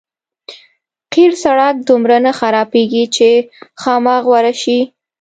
قیر سړک دومره نه خرابېږي چې خامه غوره شي.